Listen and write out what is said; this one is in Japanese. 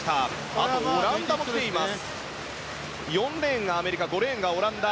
あと、オランダも来ています。